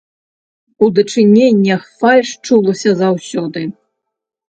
У дачыненнях фальш чулася заўсёды.